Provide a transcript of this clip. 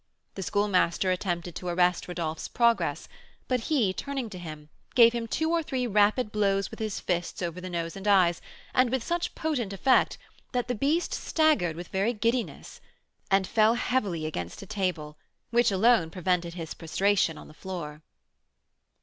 The Schoolmaster attempted to arrest Rodolph's progress, but he, turning to him, gave him two or three rapid blows with his fists over the nose and eyes, and with such potent effect, that the beast staggered with very giddiness, and fell heavily against a table, which alone prevented his prostration on the floor.